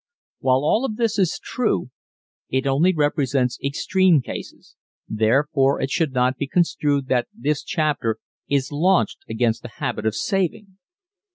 While all of this is true it only represents extreme cases, therefore it should not be construed that this chapter is launched against the habit of saving.